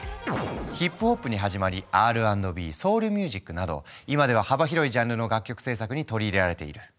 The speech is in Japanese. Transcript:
ヒップホップに始まりＲ＆Ｂソウルミュージックなど今では幅広いジャンルの楽曲制作に取り入れられている。